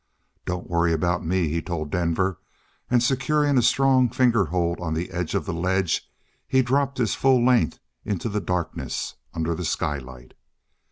"Don't worry about me," he told Denver, and, securing a strong fingerhold on the edge of the ledge, he dropped his full length into the darkness under the skylight.